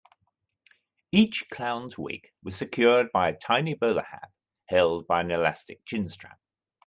Each clown's wig was secured by a tiny bowler hat held by an elastic chin-strap.